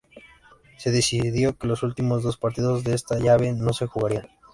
Se decidió que los últimos dos partidos de esta llave no se jugarían.